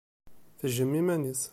Tejjem iman-is.